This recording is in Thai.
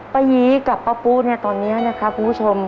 ป้ายีกับป้าปุ๊เนี่ยตอนนี้นะครับคุณผู้ชม